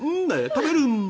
食べるんー。